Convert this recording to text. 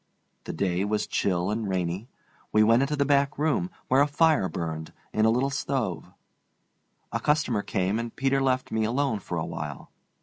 The day was chill and rainy. We went into the back room, where a fire burned, in a little stove. A customer came, and Peter left me alone for a while.